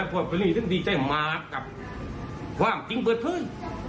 พวกนี้ดีใจมากกับความจริงเบื้อเท้ย